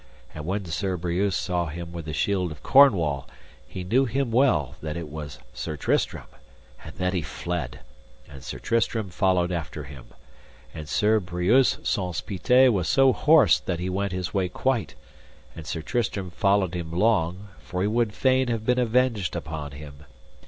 And when Sir Breuse saw him with the shield of Cornwall he knew him well that it was Sir Tristram, and then he fled, and Sir Tristram followed after him; and Sir Breuse Saunce Pité was so horsed that he went his way quite, and Sir Tristram followed him long, for he would fain have been avenged upon him.